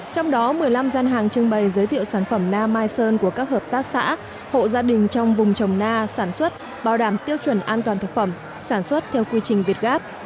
trong đó một mươi năm gian hàng trưng bày giới thiệu sản phẩm na mai sơn của các hợp tác xã hộ gia đình trong vùng trồng na sản xuất bảo đảm tiêu chuẩn an toàn thực phẩm sản xuất theo quy trình việt gáp